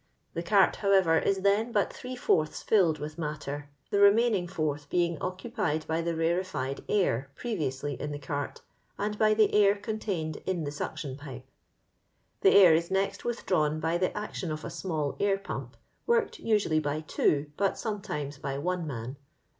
The cart, however, is then bot three fourths filled with mattor, the remaining fourth being occupied by the rarefied air pre viously in the cart, and by the air contained in the suction pipe. This air is next withdravm by the action of a small air pump, worked osih ally by two, but sometimes by one man.